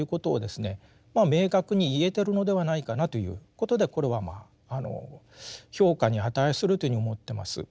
明確に言えてるのではないかなということでこれはまあ評価に値するというふうに思ってます。